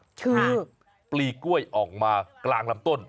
มีปลีกล้วยออกมากลางลำต้น